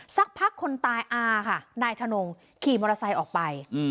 สักพักคนตายอาค่ะนายทนงขี่มอเตอร์ไซค์ออกไป